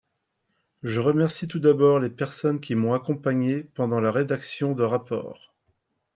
Je remercie tout d’abord les personnes qui m’ont accompagnée pendant la rédaction de rapport.